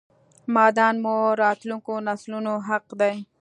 معادن مو راتلونکو نسلونو حق دی